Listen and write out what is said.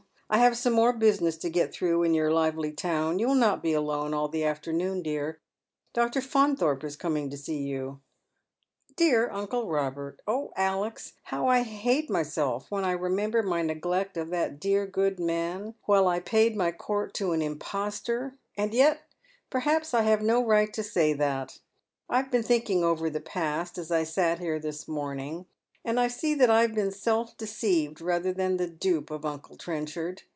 I have some more business to get through in your lively town. You will not be alone all the afternoon, dear. Dr. Faunthorpe is coming to see you," " Dear uncle Robert ! Oh, Alex ! how I hate myself when I remember my neglect of that dear good man, while I paid my court to an impostor ! And yet, perhaps, I have no right to say that. 1 have been thinking over the past as I sat here this morning, and I see that I have been self deceived rather than the dupe of uncle Trenchard.